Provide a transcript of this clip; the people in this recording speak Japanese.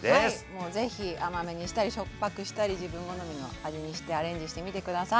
もう是非甘めにしたりしょっぱくしたり自分好みの味にしてアレンジしてみて下さい！